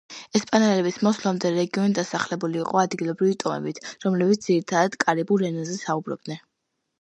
ესპანელების მოსვლამდე, რეგიონი დასახლებული იყო ადგილობრივი ტომებით, რომლებიც ძირითადად კარიბულ ენებზე საუბრობდნენ.